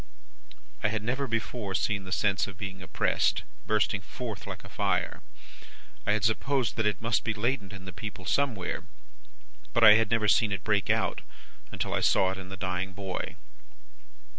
"I had never before seen the sense of being oppressed, bursting forth like a fire. I had supposed that it must be latent in the people somewhere; but, I had never seen it break out, until I saw it in the dying boy.